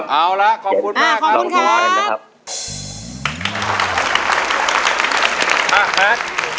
เอาละขอบคุณมากครับ